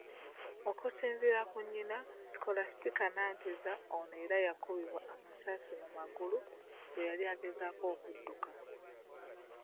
Okusinziira ku nnyina, Scholastica Nanteza, ono era yakubibwa amasasi mu magulu bweyali agezaako okudduka.